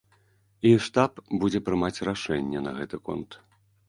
І штаб будзе прымаць рашэнне на гэты конт.